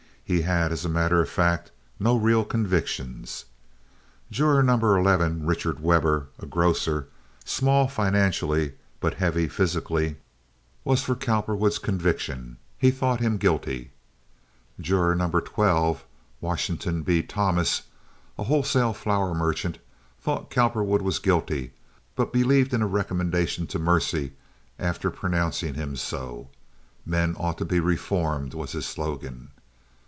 He had, as a matter of fact, no real convictions. Juror No. 11, Richard Webber, a grocer, small financially, but heavy physically, was for Cowperwood's conviction. He thought him guilty. Juror No. 12, Washington B. Thomas, a wholesale flour merchant, thought Cowperwood was guilty, but believed in a recommendation to mercy after pronouncing him so. Men ought to be reformed, was his slogan.